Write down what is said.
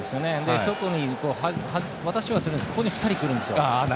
外に渡しはするんですけど２人来るんですよ。